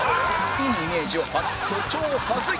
いいイメージを外すと超恥ずい